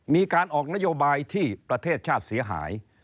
มีการออกนโยบายที่ประเทศชาติเสียหาย